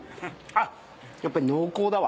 あっやっぱり濃厚だわ。